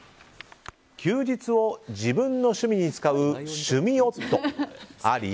休日を自分の趣味に使う趣味夫あり？